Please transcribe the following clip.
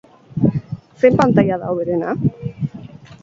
Zein pantaila da hoberena?